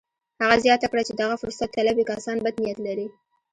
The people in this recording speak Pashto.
هغه زياته کړه چې دغه فرصت طلبي کسان بد نيت لري.